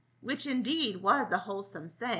Which indeed was a wholesome saymg.